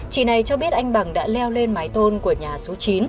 chị này cho biết anh bằng đã leo lên mái tôn của nhà số chín